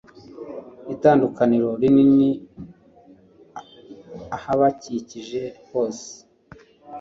itandukaniro rinini ahabakikije hose